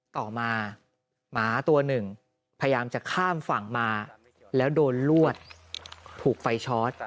ต่อมาหมาตัวหนึ่งพยายามจะข้ามฝั่งมาแล้วโดนลวดถูกไฟชอต